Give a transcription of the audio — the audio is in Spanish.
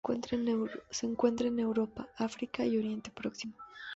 Se encuentra en Europa, África y Oriente Próximo.